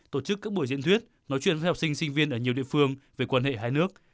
tổ chức các buổi diễn thuyết nói chuyện với học sinh sinh viên ở nhiều địa phương về quan hệ hai nước